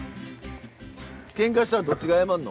けんかしたらどっちが謝んの？